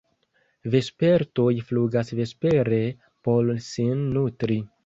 Vespertoj flugas vespere por sin nutri.